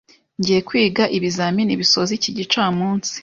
Ngiye kwiga ibizamini bisoza iki gicamunsi.